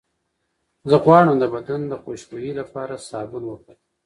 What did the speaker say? زه غواړم د بدن خوشبویۍ لپاره سابون وکاروم.